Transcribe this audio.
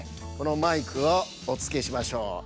このマイクをおつけしましょう。